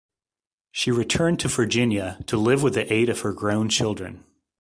She returned to Virginia to live with the aid of her grown children.